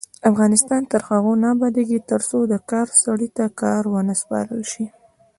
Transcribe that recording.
افغانستان تر هغو نه ابادیږي، ترڅو د کار سړي ته کار ونه سپارل شي.